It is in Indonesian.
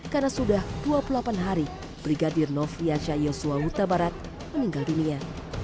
karena sudah dua puluh delapan hari brigadir novi aja yosua utabarat meninggal dunia